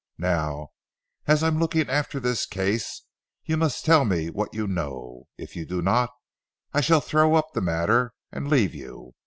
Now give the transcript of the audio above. Now, as I am looking after this case you must tell me what you know. If you do not, I shall throw up the matter and leave you.